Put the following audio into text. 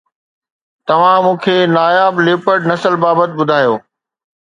توهان مون کي ناياب ليپرڊ نسل بابت ٻڌايو